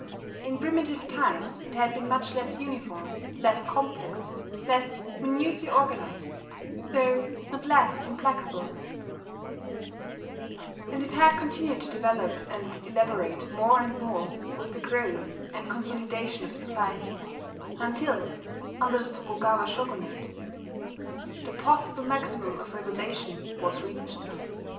In primitive times it had been much less uniform, less complex, less minutely organized, though not less implacable; and it had continued to develop and elaborate more and more with the growth and consolidation of society, until, under the Tokugawa Shogunate the possible maximum of regulation was reached.